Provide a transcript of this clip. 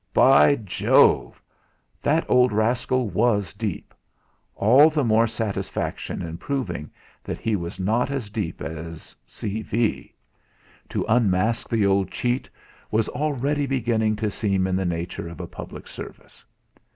By Jove! That old rascal was deep all the more satisfaction in proving that he was not as deep as C. V. To unmask the old cheat was already beginning to seem in the nature of a public service.